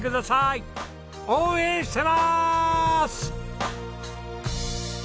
応援してます！